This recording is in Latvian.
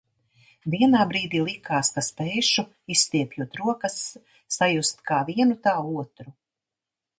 Vienā brīdī likās, ka spēšu, izstiepjot rokas, sajust kā vienu, tā otru.